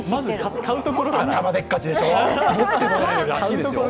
頭でっかちでしょ。